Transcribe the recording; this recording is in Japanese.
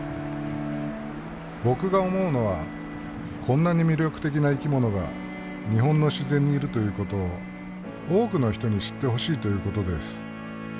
僕が思うのはこんなに魅力的な生きものが日本の自然にいるということを多くの人に知ってほしいということです。